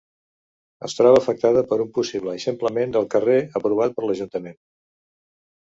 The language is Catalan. Es troba afectada per un possible eixamplament del carrer aprovat per l'ajuntament.